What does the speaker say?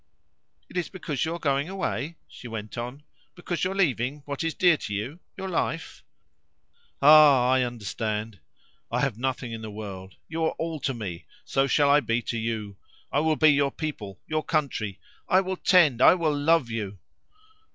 "It is because you are going away?" she went on; "because you are leaving what is dear to you your life? Ah! I understand. I have nothing in the world! you are all to me; so shall I be to you. I will be your people, your country; I will tend, I will love you!"